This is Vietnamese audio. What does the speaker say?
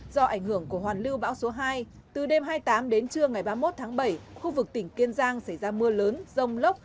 do ảnh hưởng của hoàn lưu bão số hai từ đêm hai mươi tám đến trưa ngày ba mươi một tháng bảy khu vực tỉnh kiên giang xảy ra mưa lớn rông lốc